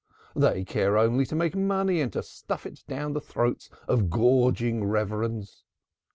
They care only to make money and to stuff it down the throats of gorging reverends.